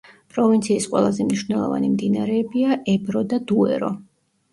პროვინციის ყველაზე მნიშვნელოვანი მდინარეებია ებრო და დუერო.